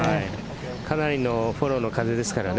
かなりのフォローの風ですからね。